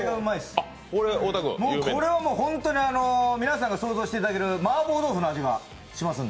これは本当に皆さんが想像していただけるマーボー豆腐の味がしますんで。